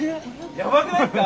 やばくないっすか？